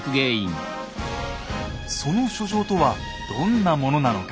その書状とはどんなものなのか。